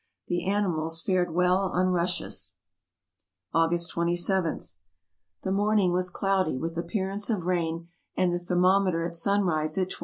The animals fared well on rushes. August 2j. — The morning was cloudy, with appearance of rain, and the thermometer at sunrise at 290.